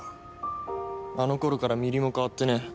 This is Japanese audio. あの頃からミリも変わってねえ。